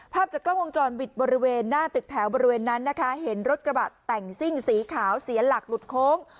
ภาพจากกล้องวงจรปิดบริเวณหน้าตึกแถวบริเวณนั้นนะคะเห็นรถกระบะแต่งซิ่งสีขาวเสียหลักหลุดโค้ง